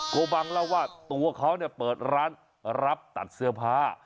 โกบังเล่าว่าตัวเขาเนี่ยเปิดร้านรับตัดเสื้อผ้า